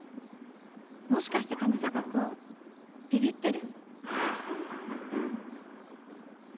もしかして上坂君びびってる？